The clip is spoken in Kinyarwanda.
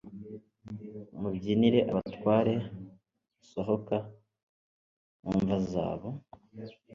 mubyinire abatware basohoka mumva zabo